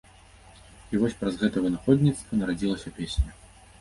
І вось праз гэта вынаходніцтва нарадзілася песня.